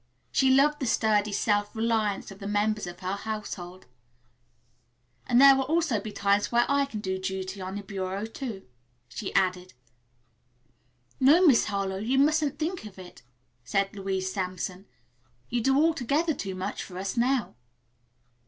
She loved the sturdy self reliance of the members of her household. "And there will also be times when I can do duty on the Bureau, too," she added. "No, Miss Harlowe, you mustn't think of it," said Louise Sampson. "You do altogether too much for us now."